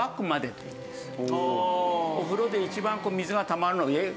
お風呂で一番水がたまるのが。